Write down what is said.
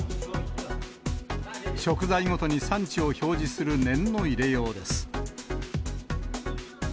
食材ごとに産地を表示する念の入れようです。